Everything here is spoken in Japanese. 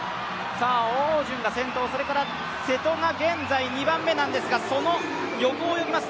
汪順が先頭、それから瀬戸が現在２番目なんですが、その横を泳ぎます